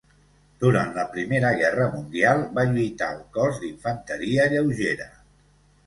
Durant la Primera Guerra Mundial va lluitar al cos d'infanteria lleugera.